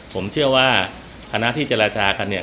ผมเชื่อว่าคณะที่เจรจากันเนี่ย